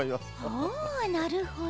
おおなるほど。